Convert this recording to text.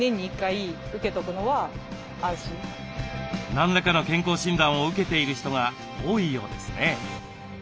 何らかの健康診断を受けている人が多いようですね。